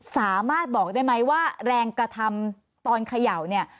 สามารถบอกได้ไหมว่าแรงกระทำตอนเขย่าเนี่ย